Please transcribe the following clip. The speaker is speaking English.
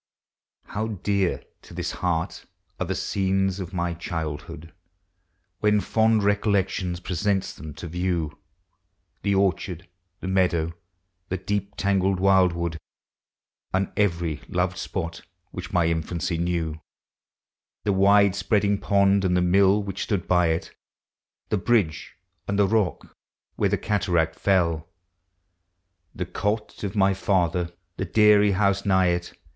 How dear to this heart are the scenes of my child hood, When fond recollection presents them to view! The orchard, the meadow, the deep tangled wild wood, And every loved spot which my infancy knew; The wide spreading pond and the mill which stood l>v it, The bridge, and the rock where the cataract fell; The cot of my father, the dairy house nigh it.